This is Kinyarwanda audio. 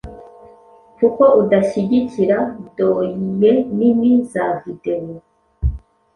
kuko udahyigikira doiye nini za videwo"